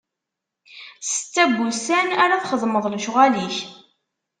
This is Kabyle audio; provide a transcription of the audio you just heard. Setta n wussan ara txeddmeḍ lecɣal-ik.